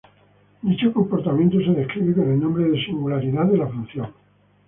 Dicho comportamiento se describe con el nombre de singularidad de la función.